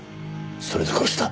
それで殺した。